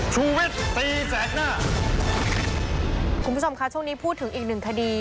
คุณผู้ชมคะช่วงนี้พูดถึงอีกหนึ่งคดี